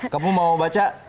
kamu mau baca